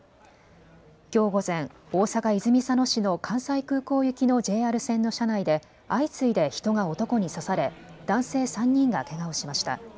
きょう午前、大阪泉佐野市の関西空港行きのＪＲ線の車内で相次いで人が男に刺され男性３人がけがをしました。